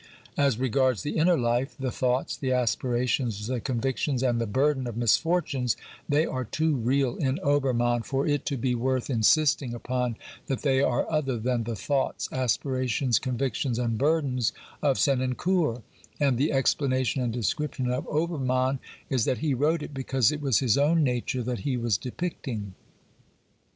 As regards the inner life, the thoughts, the aspirations, the convictions and the burden of misfortunes, they are too real in Obermann for it to be worth insisting upon that they are other than the thoughts, aspirations, convictions and burdens of Senancour, and the explanation and description of Obermann is that he wrote it because it was his own nature that he was depicting.